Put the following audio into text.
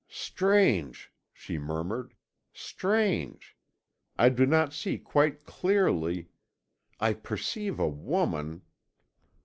"Strange!" she murmured, "strange! I do not see quite clearly ... I perceive a woman...."